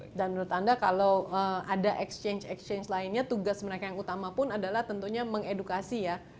jadi kalau ada exchange exchange lainnya tugas mereka yang utama pun adalah tentunya mengedukasi ya